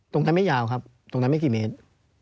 ตรงนั้นไม่ยาวครับตรงนั้นไม่กี่เมตร